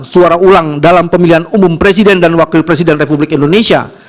suara ulang dalam pemilihan umum presiden dan wakil presiden republik indonesia